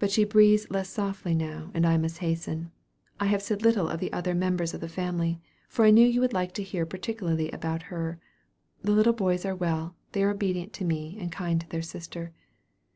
"But she breathes less softly now, and I must hasten. I have said little of the other members of the family, for I knew you would like to hear particularly about her. The little boys are well they are obedient to me, and kind to their sister.